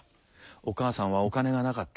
お母さんはお金がなかった。